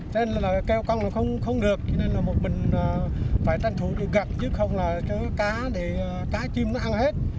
cho nên là kêu con là không được cho nên là một mình phải tranh thủ gạt chứ không là cá chim nó ăn hết